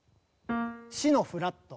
シのフラット。